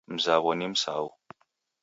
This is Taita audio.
Mzaw'o ni Msau